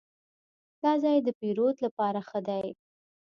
دا ځای د پیرود لپاره ښه دی.